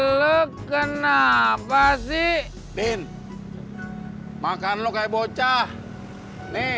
lo kenapa sih din makan lo kayak bocah nih